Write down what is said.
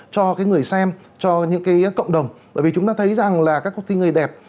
cho cái người xem cho những cái cộng đồng bởi vì chúng ta thấy rằng là các cuộc thi người đẹp